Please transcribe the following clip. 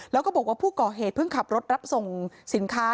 แล้วก็บอกว่าผู้ก่อเหตุเพิ่งขับรถรับส่งสินค้า